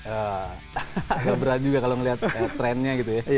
agak berat juga kalau melihat trennya gitu ya